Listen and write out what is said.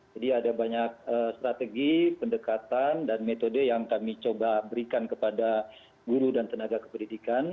jadi ada banyak strategi pendekatan dan metode yang kami coba berikan kepada guru dan tenaga kepedidikan